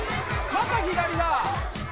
また左だ。